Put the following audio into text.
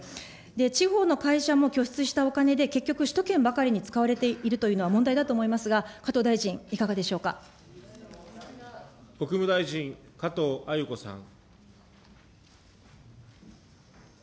地方の会社も拠出したお金で、結局、首都圏ばかりに使われているというのは問題だと思いますが、国務大臣、加藤鮎子さん。